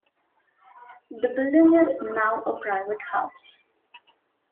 The building is now a private house.